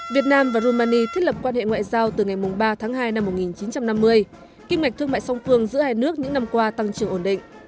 việt nam và rumani thiết lập quan hệ ngoại giao từ ngày ba tháng hai năm một nghìn chín trăm năm mươi kinh mạch thương mại song phương giữa hai nước những năm qua tăng trưởng ổn định